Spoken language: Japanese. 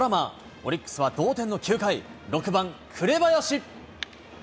オリックスは同点の９回、６番紅林。